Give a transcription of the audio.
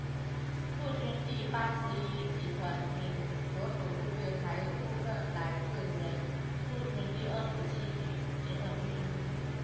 陆军第八十一集团军所属部队还有部分来自原陆军第二十七集团军。